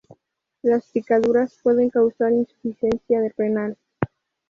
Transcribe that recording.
Las picaduras pueden causar insuficiencia renal.